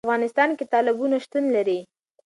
په افغانستان کې تالابونه شتون لري.